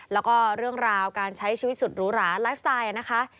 แล้วก็เรื่องราวการใช้ชีวิตสุดหรูหราไลฟ์สไตล์นะคะ